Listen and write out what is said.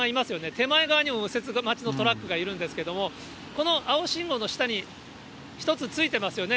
手前側にも右折待ちのトラックがいるんですけれども、この青信号の下に１つついてますよね。